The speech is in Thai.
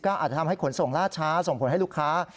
ก็อาจจะทำให้ขนส่งล่าช้าส่งผลให้ลูกค้า